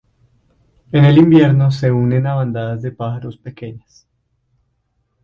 En el invierno se unen a bandadas de pájaros pequeñas.